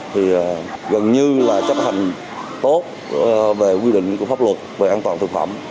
thì gần như là chấp hành tốt về quy định của pháp luật về an toàn thực phẩm